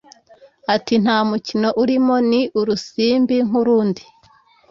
ati “Nta mukino urimo ni urusimbi nk’urundi